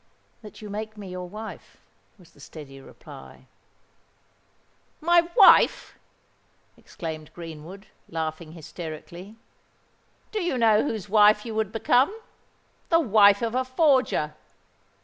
"That you make me your wife," was the steady reply. "My wife!" exclaimed Greenwood, laughing hysterically. "Do you know whose wife you would become?—the wife of a forger!